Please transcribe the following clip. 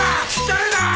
誰だ！